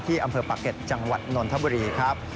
อำเภอปะเก็ตจังหวัดนนทบุรีครับ